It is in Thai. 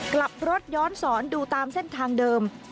กลับรถย้อนสอนดูตามเส้นทางเดิม